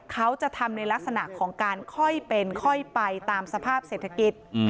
เขาจะทำในลักษณะของการค่อยเป็นค่อยไปตามสภาพเศรษฐกิจ